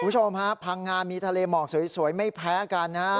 คุณผู้ชมฮะพังงามีทะเลหมอกสวยไม่แพ้กันนะฮะ